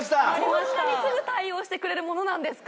こんなにすぐ対応してくれるものなんですか？